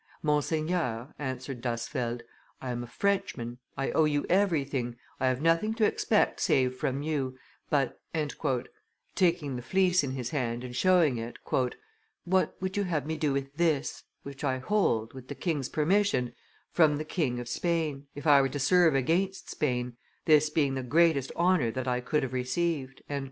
"Monseigneur," answered D'Asfeldt, "I am a Frenchman, I owe you everything, I have nothing to expect save from you, but," taking the Fleece in his hand and showing it, "what would you have me do with this, which I hold, with the king's permission, from the King of Spain, if I were to serve against Spain, this being the greatest honor that I could have received?"